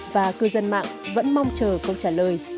và cư dân mạng vẫn mong chờ câu trả lời